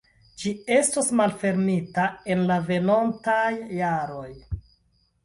Ĝi estos malfermita en la venontaj jaroj.